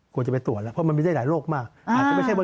ก็ได้แต่ว่าอาการเช่นว่า